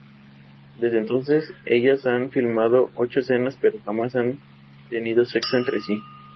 Desde entonces, ellas han filmado ocho escenas pero jamás han tenido sexo entre sí.